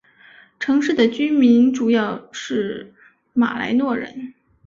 城市的居民主要是马来诺人。